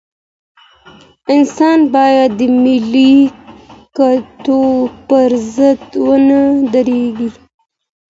انسان بايد د ملي ګټو پر ضد ونه درېږي.